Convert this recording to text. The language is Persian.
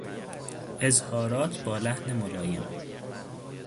اظهارات با لحن ملایم